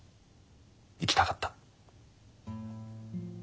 生きたかった。